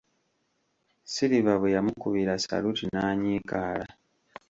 Silver bwe yamukubira saluti n'anyiikaala.